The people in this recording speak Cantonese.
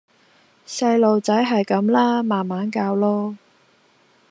細孥仔係咁啦！慢慢教囉